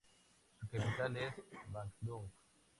Su capital es Bandung.